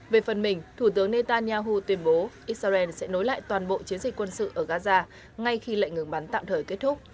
về phần mình thủ tướng netanyahu tuyên bố israel sẽ nối lại toàn bộ chiến dịch quân sự ở gaza ngay khi lệnh ngừng bắn tạm thời kết thúc